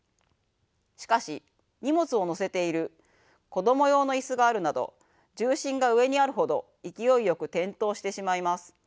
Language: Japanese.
しかし荷物を載せている子供用の椅子があるなど重心が上にあるほど勢いよく転倒してしまいます。